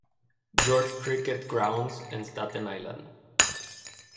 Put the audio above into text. George Cricket Grounds" en Staten Island.